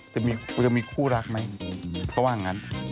จะมีคู่รักไหมเขาว่างั้น